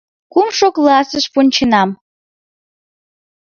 Кумшо классыш вонченам.